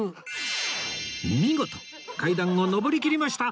見事階段を上りきりました